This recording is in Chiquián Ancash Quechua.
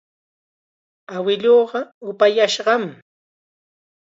Awiluuqa upayashqanam.